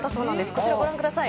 こちらご覧ください。